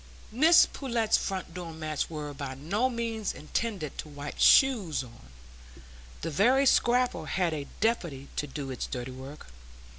Mrs Pullet's front door mats were by no means intended to wipe shoes on; the very scraper had a deputy to do its dirty work.